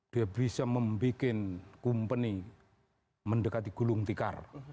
dia bisa membuat kompany mendekati gulung tikar